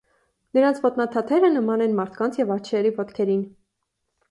Նրանց ոտնաթաթերը նման են մարդկանց և արջերի ոտքերին։